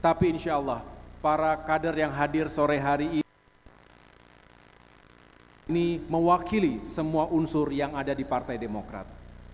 tapi insya allah para kader yang hadir sore hari ini ini mewakili semua unsur yang ada di partai demokrat